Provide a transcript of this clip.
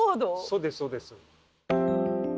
そうですそうです。